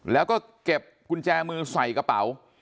แล้วก็เก็บกุญแจมือใส่กระเป๋า